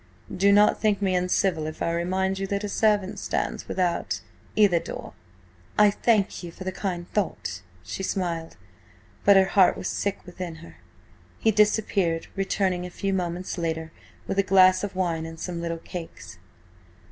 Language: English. Do not think me uncivil if I remind you that a servant stands without either door." "I thank you for the kind thought," she smiled, but her heart was sick within her. He disappeared, returning a few moments later with a glass of wine and some little cakes.